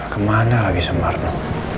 kemana lagi sumarno